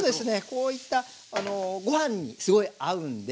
こういったご飯にすごい合うんで。